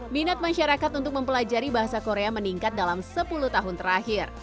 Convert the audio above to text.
minat masyarakat untuk mempelajari bahasa korea meningkat dalam sepuluh tahun terakhir